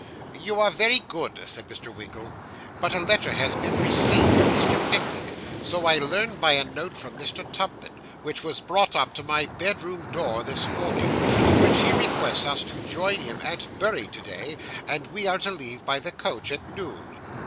'You are very good,' said Mr. Winkle; 'but a letter has been received from Mr. Pickwick so I learn by a note from Mr. Tupman, which was brought up to my bedroom door, this morning in which he requests us to join him at Bury to day; and we are to leave by the coach at noon.